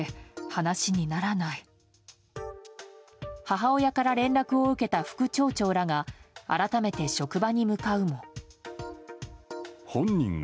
母親から連絡を受けた副町長らが改めて職場に向かうも。